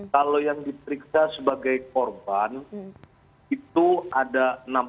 kalau yang diperiksa sebagai korban itu ada enam belas